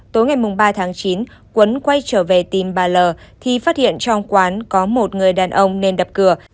tối ngày ba tháng chín quấn quay trở về tìm bà l thì phát hiện trong quán có một người đàn ông nên đập cửa